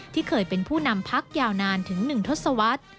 ที่เคยเป็นผู้นำพักยาวนานถึง๑ทศวรรษ